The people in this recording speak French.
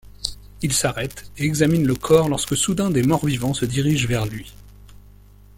Il s'arrête et examine le corps lorsque soudain des morts-vivant se dirigent vers lui.